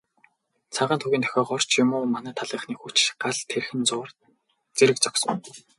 Цагаан тугийн дохиогоор ч юм уу, манай талынхны хүчтэй гал тэрхэн зуур зэрэг зогсов.